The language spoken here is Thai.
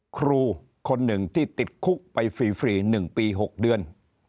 ครูคนหนึ่งที่ติดคุกไปฟรี๑ปี๖เดือน